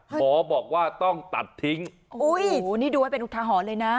หมอบอกว่าต้องตัดทิ้งโอ้โหนี่ดูให้เป็นอุทาหรณ์เลยนะ